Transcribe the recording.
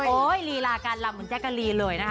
โอ้ยรีหลาการรำเหมือนแจ๊กกะรีเลยนะครับ